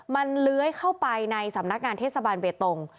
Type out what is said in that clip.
มันเลื้อยเข้าไปในสำนักงานเทศบาลเบตง